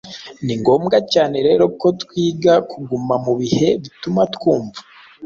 Ni ngombwa cyane rero ko twiga kuguma mu bihe bituma twumva.